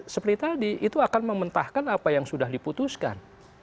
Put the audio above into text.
seperti tadi itu akan mementahkan apa yang sudah diputuskan